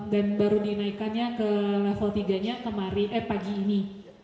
dan baru dinaikannya ke level tiga nya kemarin eh pagi ini